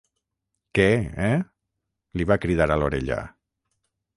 Què, eh? —li va cridar a l'orella.